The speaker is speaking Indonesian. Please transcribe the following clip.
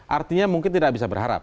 artinya mungkin tidak bisa berharap